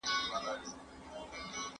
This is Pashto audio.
اقتصادي تيوري موږ ته لارښونه کوي.